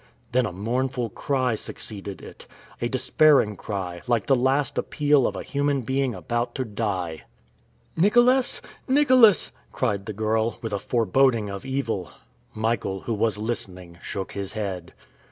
Then a mournful cry succeeded it a despairing cry, like the last appeal of a human being about to die. "Nicholas! Nicholas!" cried the girl, with a foreboding of evil. Michael, who was listening, shook his head.